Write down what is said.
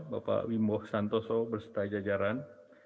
bapak wimbo santoso bersetajajaran